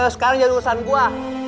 sekarang jadi urusan gue